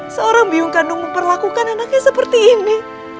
seorang biung kandung memperlakukan anaknya seperti ini